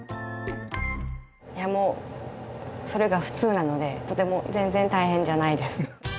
いやもうそれが普通なのでとても全然大変じゃないです。